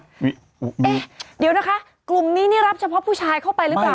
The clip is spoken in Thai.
เอ๊ะเดี๋ยวนะคะกลุ่มนี้นี่รับเฉพาะผู้ชายเข้าไปหรือเปล่า